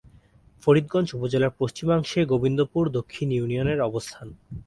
ফরিদগঞ্জ উপজেলার পশ্চিমাংশে গোবিন্দপুর দক্ষিণ ইউনিয়নের অবস্থান।